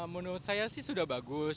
menurut saya sih sudah bagus